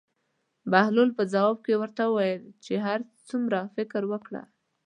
بهلول په ځواب کې ورته وویل چې هر څومره فکر مې وکړ.